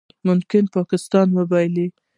ممکن پاکستان یې وبایلي